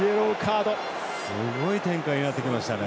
すごい展開になってきましたね。